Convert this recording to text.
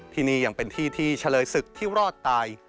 ที่นี่ยังเป็นที่ที่เฉลยศึกที่รอดตาย